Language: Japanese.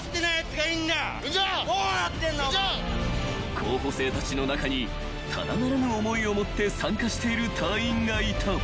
［候補生たちの中にただならぬ思いを持って参加している隊員がいた］